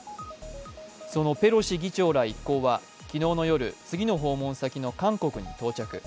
そのペロシ議長ら一行は、昨夜次の訪問先の韓国に到着。